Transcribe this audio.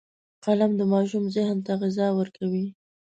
قلم د ماشوم ذهن ته غذا ورکوي